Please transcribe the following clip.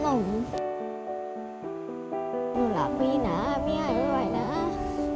หนูหลับมีนะมีให้ไม่ไหวนะ